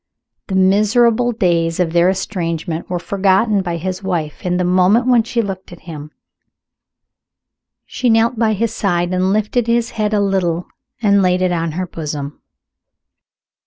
The miserable days of their estrangement were forgotten by his wife in the moment when she looked at him. She knelt by his side and lifted his head a little and laid it on her bosom.